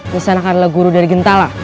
nisanak adalah guru dari gentala